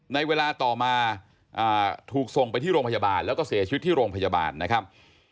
ในเวลาต่อมาถูกส่งไปที่โรงพยาบาลแล้วก็เสียชีวิตที่โรงพยาบาลนะครับ